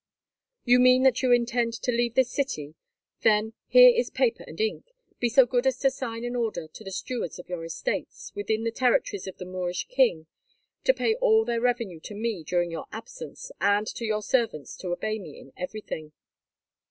"You mean that you intend to leave this city? Then, here is paper and ink. Be so good as to sign an order to the stewards of your estates, within the territories of the Moorish king, to pay all their revenue to me during your absence, and to your servants to obey me in everything."